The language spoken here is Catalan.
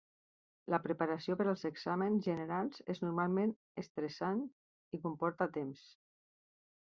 La preparació per als exàmens generals és normalment estressant i comporta temps.